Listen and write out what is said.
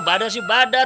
badar si badar